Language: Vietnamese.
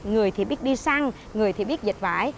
người thì biết đi sang người thì biết dịch vải